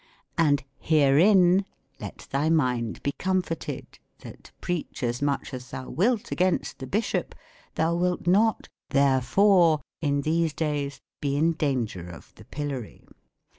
And herein let thy mind be comforted, that, preach as much as thou wilt against the Bishop, thou wilt not, therefore, in these days, be in danger of the pillory.